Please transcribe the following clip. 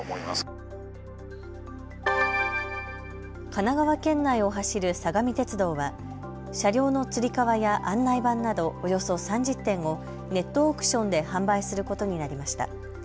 神奈川県内を走る相模鉄道は車両のつり革や案内板などおよそ３０点をネットオークションで販売することになりました。